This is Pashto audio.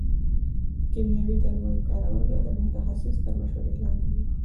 د کيمياوي درملو کارول باید د متخصص تر مشورې لاندې وي.